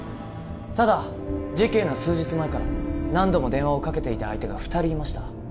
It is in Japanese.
ただ事件の数日前から何度も電話をかけていた相手が２人いました